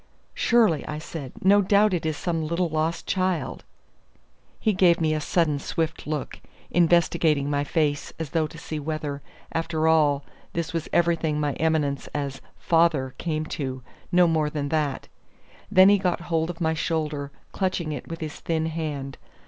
"Surely," I said. "No doubt it is some little lost child." He gave me a sudden, swift look, investigating my face as though to see whether, after all, this was everything my eminence as "father" came to, no more than that. Then he got hold of my shoulder, clutching it with his thin hand.